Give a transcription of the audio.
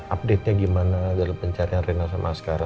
update nya gimana dalam pencarian rena sama sekarang